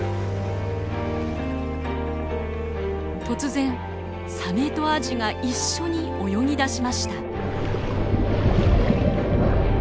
突然サメとアジが一緒に泳ぎだしました。